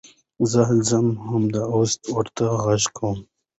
زه ځم همدا اوس ورته غږ کوم .